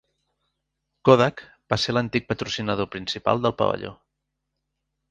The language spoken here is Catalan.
Kodak va ser l'antic patrocinador principal del pavelló.